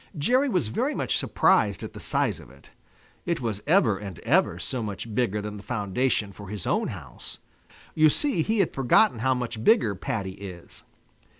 Jerry was very much surprised at the size of it. It was ever and ever so much bigger than the foundation for his own house. You see, he had forgotten how much bigger Paddy is.